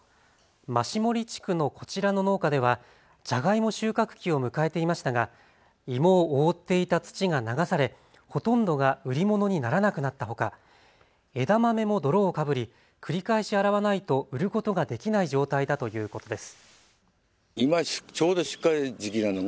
増森地区のこちらの農家ではジャガイモ収穫期を迎えていましたが、芋を覆っていた土が流されほとんどが売り物にならなくなったほか、枝豆も泥をかぶり繰り返し洗わないと売ることができない状態だということです。